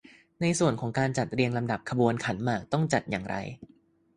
ในส่วนของการจัดเรียงลำดับขบวนขันหมากต้องจัดอย่างไร